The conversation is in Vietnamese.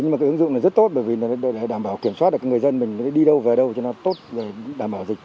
nhưng mà cái ứng dụng này rất tốt bởi vì đảm bảo kiểm soát được người dân mình đi đâu về đâu cho nó tốt để đảm bảo dịch